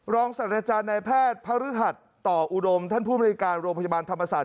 สัตว์อาจารย์ในแพทย์พระฤหัสต่ออุดมท่านผู้มนุยการโรงพยาบาลธรรมศาสต